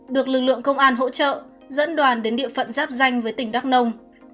được lực lượng công an hỗ trợ dẫn đoàn đến địa phận giáp danh với tỉnh đắk nông